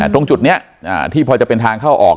ตรงจุดนี้ที่พอจะเป็นทางเข้าออก